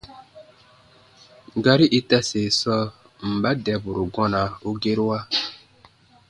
Gari itase sɔɔ: mba dɛburu gɔna u gerua?